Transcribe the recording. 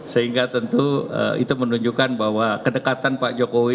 sehingga tentu itu menunjukkan bahwa kedekatan pak jokowi